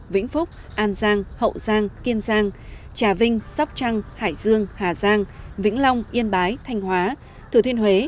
vĩnh phúc an giang hậu giang kiên giang trà vinh sóc trăng hải dương hà giang vĩnh long yên bái thanh hóa thừa thiên huế